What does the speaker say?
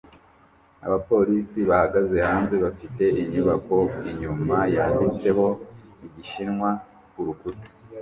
Abapolisi bahagaze hanze bafite inyubako inyuma yanditseho igishinwa ku rukuta